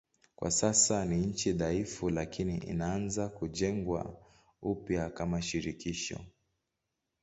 Kwa sasa ni nchi dhaifu lakini inaanza kujengwa upya kama shirikisho.